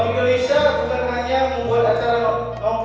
buang belita lupa sebenarnya lebih berdiri juga